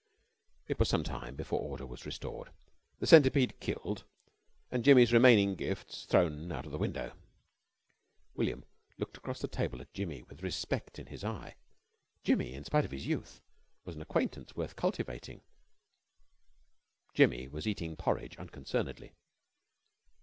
It was some time before order was restored, the centipede killed, and Jimmy's remaining gifts thrown out of the window. William looked across the table at Jimmy with respect in his eye. Jimmy, in spite of his youth, was an acquaintance worth cultivating. Jimmy was eating porridge unconcernedly.